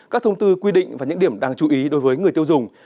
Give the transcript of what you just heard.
các thông tư quy định và những điểm đáng chú ý đối với người tiêu dùng